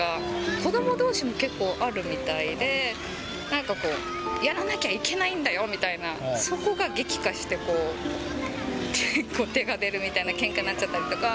子どもどうしも結構あるみたいで、なんかこう、やらなきゃいけないんだよみたいな、そこが激化して、こう、結構手が出るみたいなけんかになっちゃったりとか。